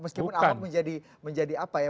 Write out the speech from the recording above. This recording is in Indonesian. meskipun ahok menjadi apa ya